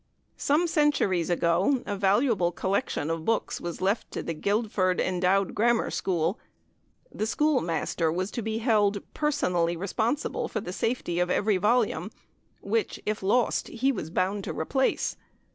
Some centuries ago a valuable collection of books was left to the Guildford Endowed Grammar School. The schoolmaster was to be held personally responsible for the safety of every volume, which, if lost, he was bound to replace.